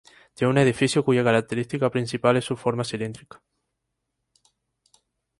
Tiene un edificio cuya característica principal es su forma cilíndrica.